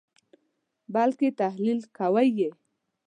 بلکې تحلیل کوئ یې.